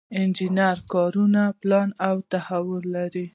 انجنري کارونه پلان او تحلیل لري.